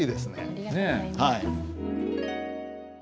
ありがとうございます。